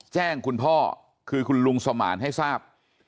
แจ้งคุณพ่อคือคุณลุงสมานให้ทราบ